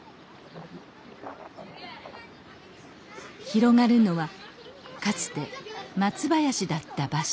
広がるのはかつて松林だった場所。